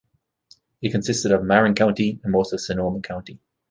It consisted of Marin County and most of Sonoma County.